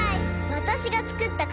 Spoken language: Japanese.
わたしがつくったか